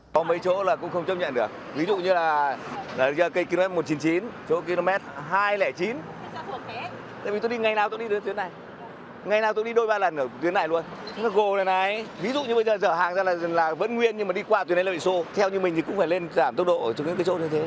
có mấy chỗ là cũng không chấp nhận được ví dụ như là kia km một trăm chín mươi chín chỗ km hai trăm linh chín tại vì tôi đi ngày nào tôi đi đến tuyến này ngày nào tôi đi đôi ba lần ở tuyến này luôn ví dụ như bây giờ chở hàng ra là vẫn nguyên nhưng mà đi qua tuyến này là bị xô theo như mình thì cũng phải lên giảm tốc độ ở những cái chỗ như thế